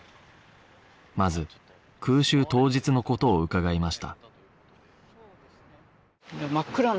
まず空襲当日の事を伺いました